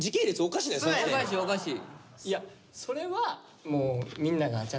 おかしいおかしい。